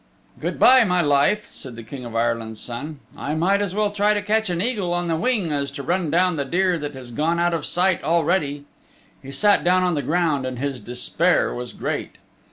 "Good by, my life," said the King of Ireland's Son, "I might as well try to catch an eagle on the wing as to run down the deer that has gone out of sight already." He sat down on the ground and his despair was great.